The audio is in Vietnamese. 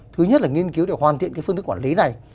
thứ nhất là nghiên cứu để hoàn thiện phương thức quản lý này